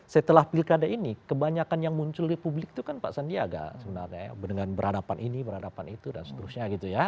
setelah pilkada ini kebanyakan yang muncul di publik itu kan pak sandiaga sebenarnya dengan berhadapan ini berhadapan itu dan seterusnya gitu ya